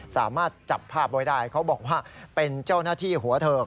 สามารถจับภาพไว้ได้เขาบอกว่าเป็นเจ้าหน้าที่หัวเทิก